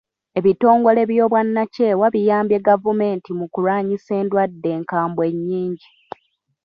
Ebitongole by'obwannakyewa biyambye gavumenti mu kulwanyisa endwadde enkambwe nnyingi.